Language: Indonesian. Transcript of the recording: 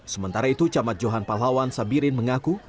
sementara itu camat johan pahlawan sabirin mengaku